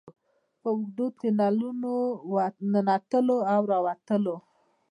په اوږدو تونلونو ننوتلو او راوتلو.